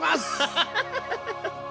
ハッハハハ！